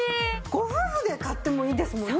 ご夫婦で買ってもいいですもんね。